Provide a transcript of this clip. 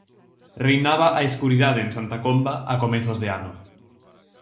Reinaba a escuridade en Santa Comba a comezos de ano.